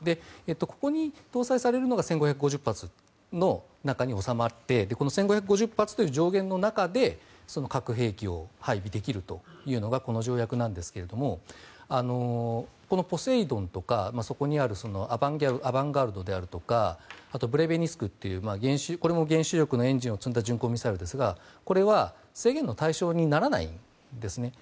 ここに搭載されるのが１５５０発の中に収まってこの１５５０発という上限の中で核兵器を配備できるというのがこの条約なんですがこのポセイドンとかそこにあるアバンガルドとかあとブレベニスクというこれも原子力のエンジンを積んだミサイルですがこれは制限の対象にならないんですね。